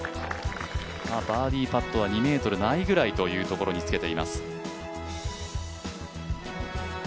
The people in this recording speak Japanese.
バーディーパットは２ｍないぐらいというところにつけています。